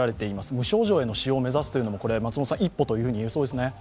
無症状への使用を目指すというのも一歩と言えそうですね。